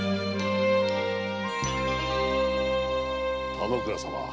田之倉様。